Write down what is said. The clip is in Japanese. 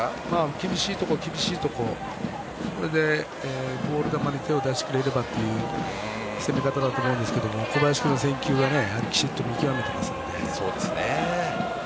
厳しいところ厳しいところそれでボール球に手を出してくれればという攻め方だと思うんですけど小林君の選球きちっと見極めています。